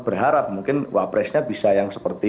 berharap mungkin wapresnya bisa yang seperti